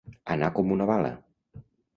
Anar com una bala.